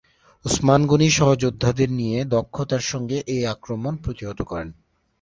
ওসমান গনি সহযোদ্ধাদের নিয়ে দক্ষতার সঙ্গে এ আক্রমণ প্রতিহত করেন।